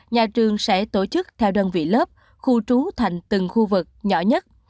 nhà trường sẽ tổ chức theo đơn vị lớp khu trú thành từng khu vực nhỏ nhất